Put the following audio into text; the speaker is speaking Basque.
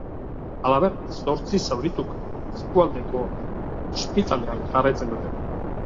Halaber, zortzi zaurituk eskualdeko ospitalean jarraitzen dute.